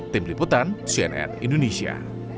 tim liputan cnn indonesia